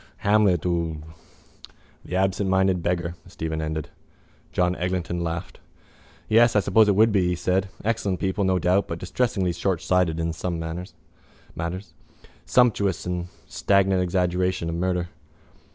Hamlet ou... —The absentminded beggar, Stephen ended. John Eglinton laughed. —Yes, I suppose it would be, he said. Excellent people, no doubt, but distressingly shortsighted in some matters. Sumptuous and stagnant exaggeration of murder.